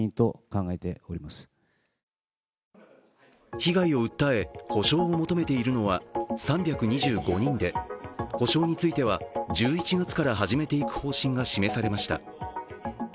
被害を訴え、補償を求めているのは３２５人で補償については１１月から始めていく方針が示されました。